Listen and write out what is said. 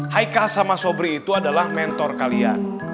haika sama sobri itu adalah mentor kalian